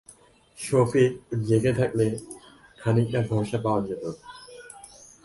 সফিক জেগে থাকলে খানিকটা ভরসা পাওয়া যেত।